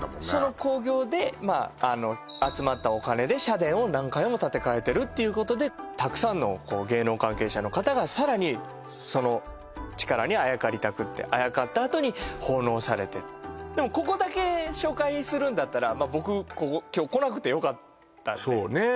その興行で集まったお金で社殿を何回も建て替えてるっていうことでたくさんの芸能関係者の方がさらにその力にあやかりたくてあやかったあとに奉納されてでもここだけ紹介するんだったら僕ここ今日来なくてよかったんでそうね